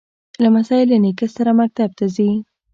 لمسی له نیکه سره مکتب ته ځي.